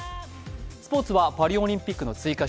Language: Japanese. スポ−ツはパリオリンピックの追加